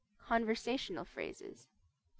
CONVERSATIONAL PHRASES X.